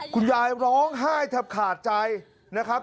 คุณยายร้องไห้แทบขาดใจนะครับ